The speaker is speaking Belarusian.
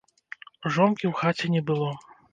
Жонкі ў хаце не было.